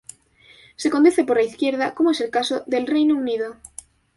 Se conduce por la izquierda, como es el caso del Reino Unido.